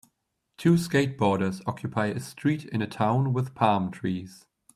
Two skateboarders occupy a street in a town with palm trees.